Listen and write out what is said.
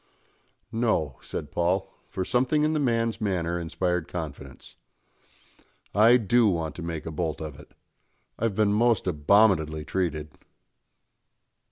"No," said Paul; for something in the man's manner inspired confidence. "I do want to make a bolt of it. I've been most abominably treated."